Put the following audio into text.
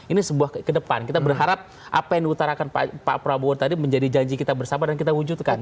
ini sebuah ke depan kita berharap apa yang diutarakan pak prabowo tadi menjadi janji kita bersama dan kita wujudkan